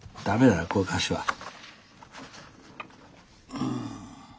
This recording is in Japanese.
うん。